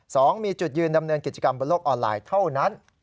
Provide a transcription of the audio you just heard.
สองมีจุดยืนดำเนินกิจกรรมบนโลกออนไลน์เท่านั้น